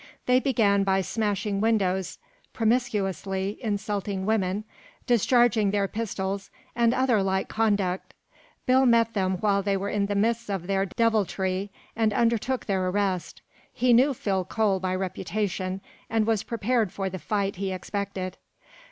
They began by smashing windows promiscuously, insulting women, discharging their pistols, and other like conduct. Bill met them while they were in the midst of their deviltry, and undertook their arrest. He knew Phil. Cole by reputation, and was prepared for the fight he expected.